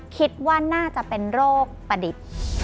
คิดว่าน่าจะเป็นโรคประดิษฐ์